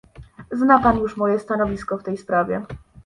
Zna Pan już moje stanowisko w tej sprawie